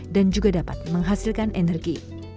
dan juga dapat menghasilkan energi